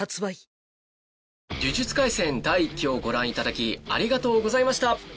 第１期をご覧いただきありがとうございました。